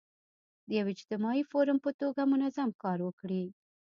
د یو اجتماعي فورم په توګه منظم کار وکړي.